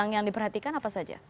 yang diperhatikan apa saja